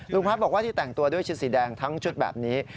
พัฒน์บอกว่าที่แต่งตัวด้วยชุดสีแดงทั้งชุดแบบนี้